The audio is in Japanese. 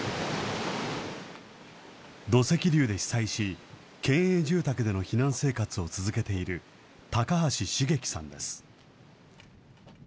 土石流で被災し、県営住宅での避難生活を続けている高橋茂樹さんです。